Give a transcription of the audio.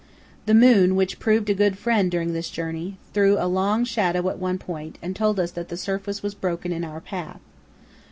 The moon, which proved a good friend during this journey, threw a long shadow at one point and told us that the surface was broken in our path.